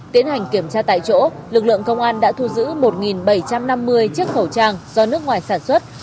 tiến hành kiểm tra tại chỗ lực lượng công an đã thu giữ một bảy trăm năm mươi chiếc khẩu trang do nước ngoài sản xuất